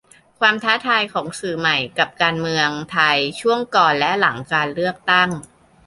ความท้าทายของสื่อใหม่กับการเมืองไทยช่วงก่อนและหลังการเลือกตั้ง